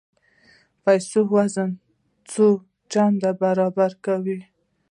پښې وزن څو چنده برداشت کوي.